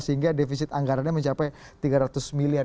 sehingga defisit anggarannya mencapai tiga ratus miliar